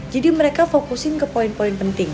jadi mereka fokusin ke poin poin penting